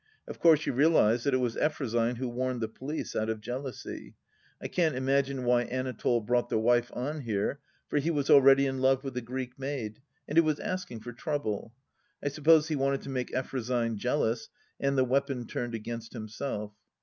Of course you realize that it was Effro syne who warned the police, out of jealousy. I can't imagine why Anatole brought the wife on here, for he was already in love with the Greek maid, and it was asking for trouble. I suppose he wanted to make Effrosyne jealous, and the weapon turned against himself.